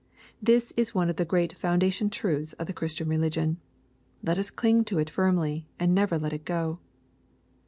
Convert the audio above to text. This is one of the great founda tion truths of the Christian religion. Let us cling to it firmly, and never let it go.